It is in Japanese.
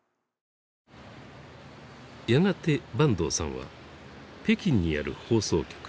やがて坂東さんは北京にある放送局